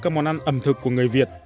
các món ăn ẩm thực của người việt